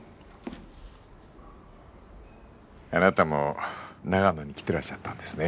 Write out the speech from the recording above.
あなたも長野に来てらっしゃったんですね